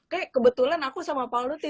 kayak kebetulan aku sama paul luthi